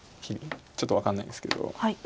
ちょっと分かんないですけど。